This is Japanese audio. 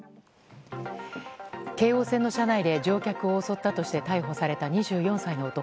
京王線の車内で乗客を襲ったとして逮捕された２４歳の男。